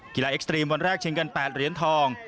กีฬาเอ็กซ์ตรีมวันแรกชิงเงิน๘เหรียญทอง